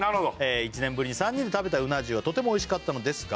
「１年ぶりに３人で食べたうな重はとてもおいしかったのですが」